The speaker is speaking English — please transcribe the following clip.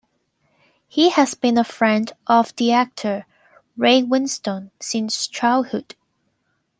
He has been a friend of the actor Ray Winstone since childhood.